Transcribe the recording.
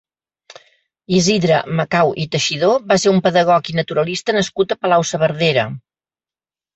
Isidre Macau i Teixidor va ser un pedagog i naturalista nascut a Palau-saverdera.